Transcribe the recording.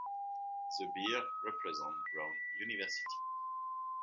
The Bears represent Brown University.